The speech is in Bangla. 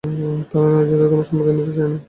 তাঁর নারাজিতে তোমার সম্পত্তি নিতে চাই নে।